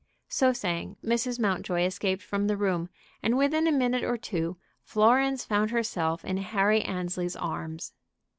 So saying, Mrs. Mountjoy escaped from the room, and within a minute or two Florence found herself in Harry Annesley's arms.